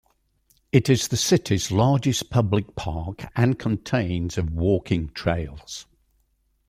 It is the city's largest public park and contains of walking trails.